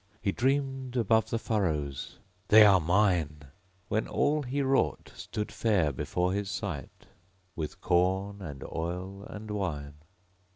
He dreamed above the furrows, 'They are mine!' When all he wrought stood fair before his sight With corn, and oil, and wine.